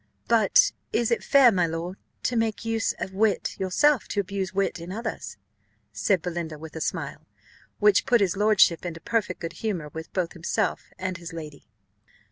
"But is it fair, my lord, to make use of wit yourself to abuse wit in others?" said Belinda with a smile, which put his lordship into perfect good humour with both himself and his lady.